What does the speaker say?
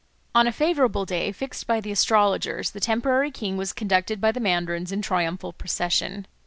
On a favourable day fixed by the astrologers the temporary king was conducted by the mandarins in triumphal procession.